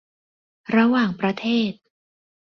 ระหว่างประเทศ